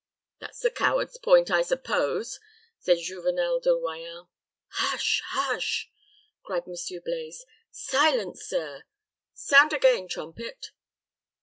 "That's the coward's point, I suppose," said Juvenel de Royans. "Hush! hush!" cried Monsieur Blaize. "Silence, sir. Sound again, trumpet!"